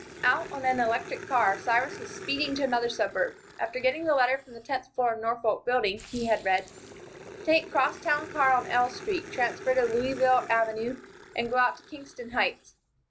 Out on an electric car Cyrus was speeding to another suburb. After getting the letter from the tenth floor of the Norfolk Building, he had read: "Take cross town car on L Street, transfer to Louisville Avenue, and go out to Kingston Heights.